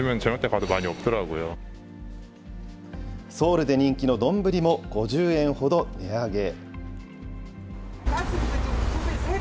ソウルで人気の丼も５０円ほど値上げ。